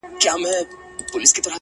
د هغه ورځي څه مي;